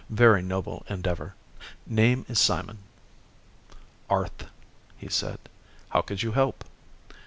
"Very noble endeavor. Name is Simon." "Arth," he said. "How could you help?"